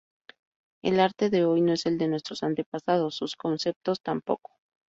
El arte de hoy no es el de nuestros antepasados; sus conceptos tampoco.